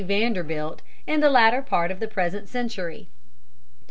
Vanderbilt in the latter part of the present century.